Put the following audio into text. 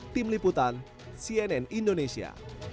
tim liputan cnn indonesia